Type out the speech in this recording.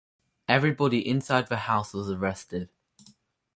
Everybody inside the house was arrested.